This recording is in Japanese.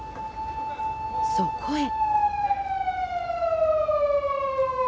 そこへ。